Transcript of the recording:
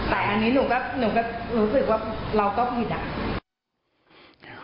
แต่อันนี้หนูก็ยากลืมกลัวว่าเราก็มีด้าน